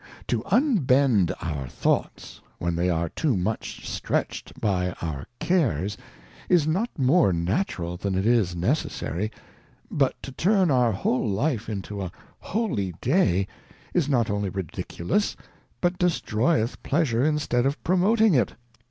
To unbend our Thoughts, when they are too much stretched by our Cares, is not more natural than it is necessary, but to turn our whole Life into a Holy day, is not only ridiculous, but destroyeth Pleasure instead of promoting it.